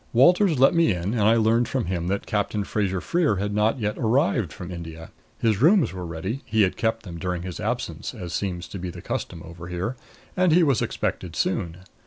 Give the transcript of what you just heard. Walters let me in, and I learned from him that Captain Fraser Freer had not yet arrived from India. His rooms were ready he had kept them during his absence, as seems to be the custom over here and he was expected soon.